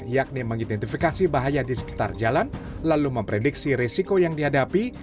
yakni mengidentifikasi bahaya di sekitar jalan lalu memprediksi risiko yang dihadapi